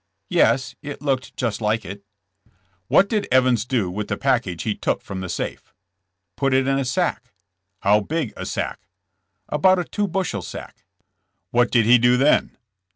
Yes; it looked just like it." What did Evans do with the package he took from the safe ?'' *'Put it in a sack." How big a sack?" About a two bushel sack." "What did he do then?"